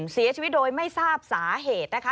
เสียชีวิตโดยไม่ทราบสาเหตุนะคะ